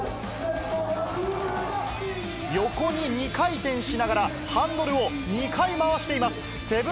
横に２回転しながら、ハンドルを２回回しています。